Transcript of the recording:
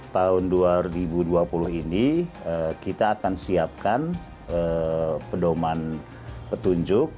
tahun dua ribu dua puluh ini kita akan siapkan pedoman petunjuk